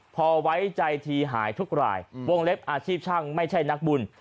พอไว้ใจทีหายทุกรายวงเล็บอาชีพช่างไม่ใช่นักบุญ